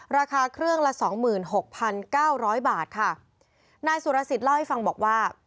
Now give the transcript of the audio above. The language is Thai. ราคาเครื่องละสองหมื่นหกพันเก้าร้อยบาทค่ะนายสุรสิทธิ์เล่าให้ฟังบอกว่า